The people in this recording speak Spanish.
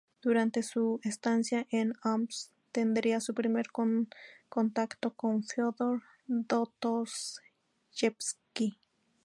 Durante su estancia en Omsk, tendría su primer contacto con Fiódor Dostoyevski.